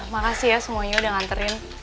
makasih ya semuanya udah nganterin